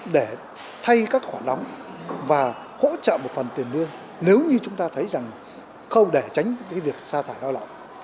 để thay các khoản đóng và hỗ trợ một phần tiền lương nếu như chúng ta thấy rằng không để tránh việc xa thải lao động